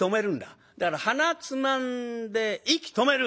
だから鼻つまんで息止める！